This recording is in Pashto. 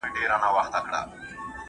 کنټرول د ځواک نښه ده.